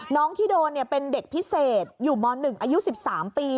น้องที่โดนเป็นเด็กพิเศษอยู่ม๑อายุ๑๓ปี